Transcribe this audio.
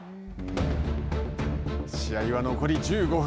試合は、残り１５分。